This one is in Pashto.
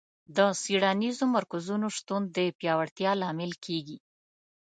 د څېړنیزو مرکزونو شتون د پیاوړتیا لامل کیږي.